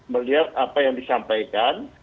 melihat apa yang disampaikan